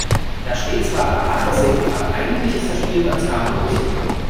Da steht zwar ab achtzehn, aber eigentlich ist das Spiel ganz harmlos.